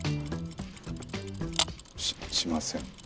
ししません。